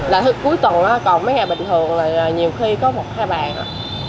là cuối tuần á còn mấy ngày bình thường là nhiều khi có một hai bàn á